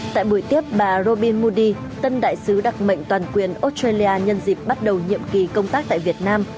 tại buổi tiếp bà robin moudi tân đại sứ đặc mệnh toàn quyền australia nhân dịp bắt đầu nhiệm kỳ công tác tại việt nam